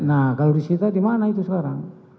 nah kalau di sita di mana itu sekarang